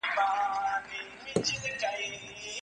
ګل دي کم لاچي دي کم لونګ دي کم